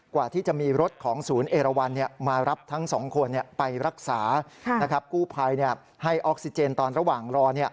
กว่าที่จะมีรถของศูนย์เอราวัน